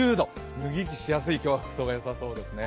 脱ぎ着しやすい服装が今日はよさそうですね。